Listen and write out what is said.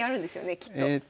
きっと。